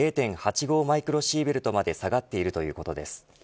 マイクロシーベルトまで下がっているということです。